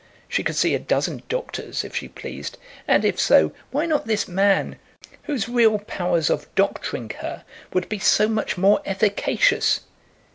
She could see a dozen doctors if she pleased, and if so, why not this man, whose real powers of doctoring her would be so much more efficacious?